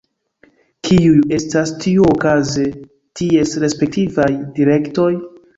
Kiuj estas tiuokaze ties respektivaj direktoj?